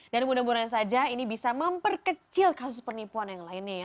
dan mudah mudahan saja ini bisa memperkecil kasus penipuan yang lainnya ya